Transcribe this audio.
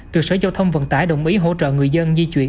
được sở giao thông vận tải đồng ý hỗ trợ người dân di chuyển